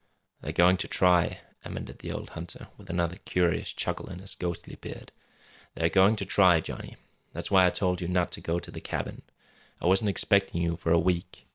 "They're goin' to try," amended the old hunter, with another curious chuckle in his ghostly beard. "They're goin' to try, Johnny. That's why I told you not to go to the cabin. I wasn't expecting you for a week.